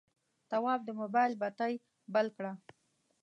تواب د موبایل بتۍ بل کړه.